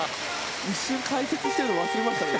一瞬、解説してるの忘れました。